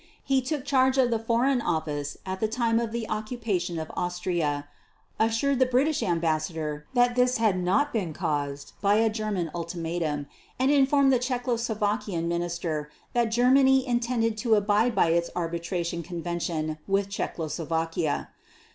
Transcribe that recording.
He took charge of the Foreign Office at the time of the occupation of Austria, assured the British Ambassador that this had not been caused by a German ultimatum, and informed the Czechoslovakian Minister that Germany intended to abide by its arbitration convention with Czechoslovakia.